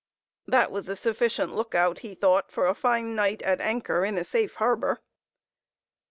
That was a sufficient lookout, he thought, for a fine night, at anchor in a safe harbor.